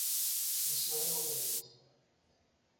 Iso é o que me gusta.